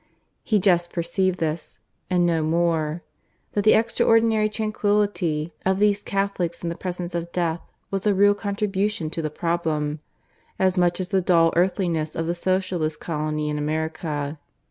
He just perceived this and no more that the extraordinary tranquillity of these Catholics in the presence of death was a real contribution to the problem as much as the dull earthliness of the Socialist colony in America.